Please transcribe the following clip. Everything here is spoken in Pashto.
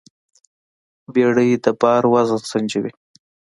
بیړۍ د بار وزن سنجوي.